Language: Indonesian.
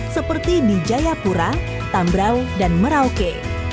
seperti di jayapura tambrau dan merauke